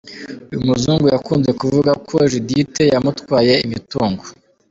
Uyu muzungu yakunze kuvuga ko Judithe yamutwaye imitungo.